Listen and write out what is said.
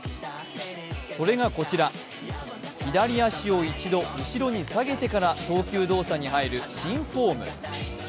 それがこちら、左足を一度後ろに下げてから投球動作に入る新フォーム。